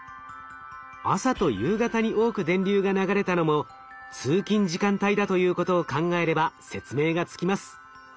朝と夕方に多く電流が流れたのも通勤時間帯だということを考えれば説明がつきます。